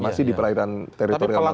masih di perairan teritorial langit